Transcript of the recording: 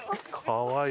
かわいい。